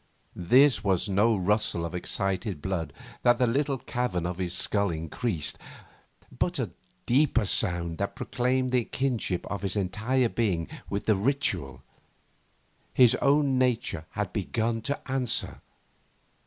This was no rustle of excited blood that the little cavern of his skull increased, but a deeper sound that proclaimed the kinship of his entire being with the ritual. His own nature had begun to answer.